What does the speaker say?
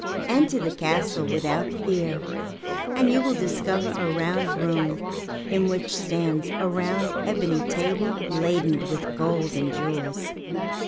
Enter the castle without fear, and you will discover a round room in which stands a round ebony table laden with gold and jewels.